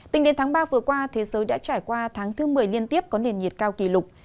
tính đến tháng ba vừa qua thế giới đã trải qua tháng thứ một mươi liên tiếp có nền nhiệt cao kỷ lục